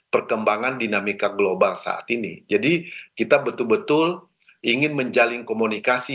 perkembangan dinamika global saat ini jadi kita betul betul ingin menjalin komunikasi